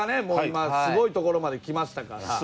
もう今すごいところまできましたから。